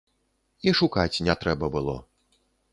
І шукаць не трэба было.